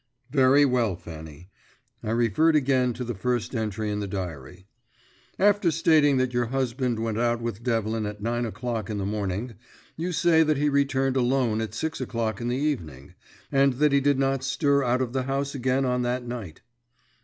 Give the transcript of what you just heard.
"Very well, Fanny." I referred again to the first entry in the diary. "After stating that your husband went out with Devlin at nine o'clock in the morning, you say that he returned alone at six o'clock in the evening, and that he did not stir out of the house again on that night."